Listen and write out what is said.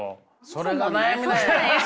それが悩みなんや。